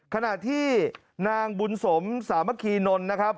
ขณะที่นางบุญสมสามัคคีนนท์นะครับ